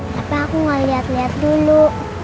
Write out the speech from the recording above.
tapi aku nggak liat liat dulu